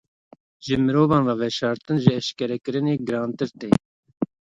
Ji mirovan re veşartin ji eşkerekirinê girantir tê.